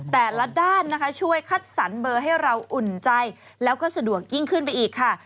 แต่ละด้านนะคะช่วยคัดสรรเบอร์ให้เราอุ่นใจแล้วก็สะดวกยิ่งขึ้นไปอีกค่ะ